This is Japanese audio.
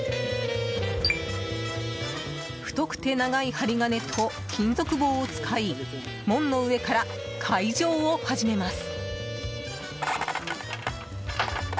太くて長い針金と金属棒を使い門の上から解錠を始めます。